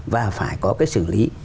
và phải có cái xử lý